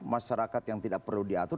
masyarakat yang tidak perlu diatur